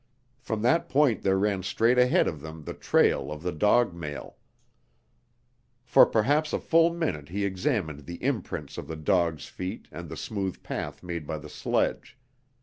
From that point there ran straight ahead of them the trail of the dog mail. For perhaps a full minute he examined the imprints of the dogs' feet and the smooth path made by the sledge.